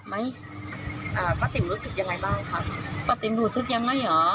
กินในกรณีเขาเป็นผู้ชาย